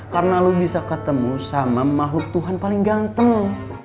karena lo bisa ketemu sama mahluk tuhan paling ganteng lo